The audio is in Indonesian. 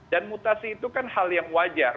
dan mutasi itu kan hal yang wajar